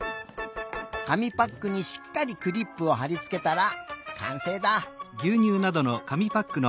紙パックにしっかりクリップをはりつけたらかんせいだ。